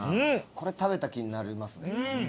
これ食べた気になりますね。